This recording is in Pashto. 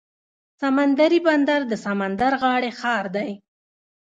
سمندري بندر د سمندر غاړې ښار دی.